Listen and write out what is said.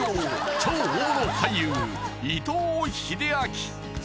超大物俳優伊藤英明